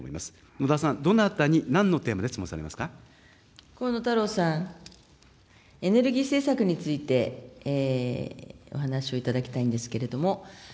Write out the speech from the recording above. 野田さん、どなたに、なんのテー河野太郎さん、エネルギー政策について、お話をいただきたいんですけれども。